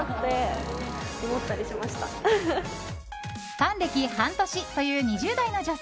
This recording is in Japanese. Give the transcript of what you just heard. ファン歴半年という２０代の女性。